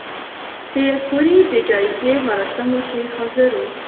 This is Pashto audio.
پېیر کوري د جایزې مراسمو کې حاضر و.